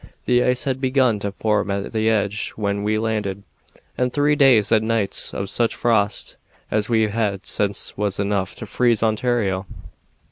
"The ice had begun to form at the edge when we landed, and three days and nights of such frost as we've had since was enough to freeze Ontario.